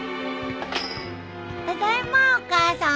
ただいまお母さん。